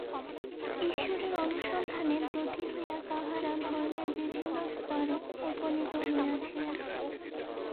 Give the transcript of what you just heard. ঈশ্বরের অনুসন্ধানে ব্রতী হইয়া তাঁহারা ধর্মের বিভিন্ন স্তরে উপনীত হইয়াছিলেন।